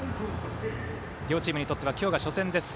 両チームにとって今日が初戦です。